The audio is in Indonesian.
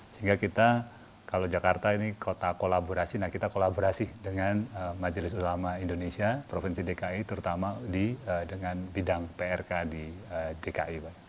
sehingga kita kalau jakarta ini kota kolaborasi nah kita kolaborasi dengan majelis ulama indonesia provinsi dki terutama dengan bidang prk di dki